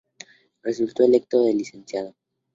Resultó electo el Lic.